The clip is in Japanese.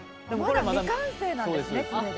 「まだ未完成なんですねこれで」